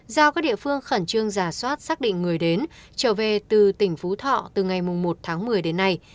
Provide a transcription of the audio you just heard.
giao các địa phương khẩn trương giả soát xác định người đến trở về từ tỉnh phú thọ từ ngày một tháng một mươi đến nay